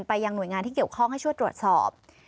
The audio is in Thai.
ยังหน่วยงานที่เกี่ยวข้องให้ช่วยตรวจสอบ